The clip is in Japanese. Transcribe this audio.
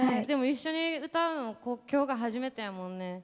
でも一緒に歌うの今日が初めてやもんね。